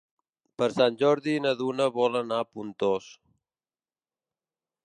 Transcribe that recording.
Per Sant Jordi na Duna vol anar a Pontós.